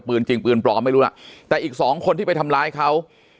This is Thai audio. จริงปืนปลอมไม่รู้ล่ะแต่อีกสองคนที่ไปทำร้ายเขา